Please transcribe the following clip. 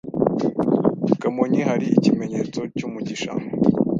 Kamonyi hari ikimenyetso cy’umugisha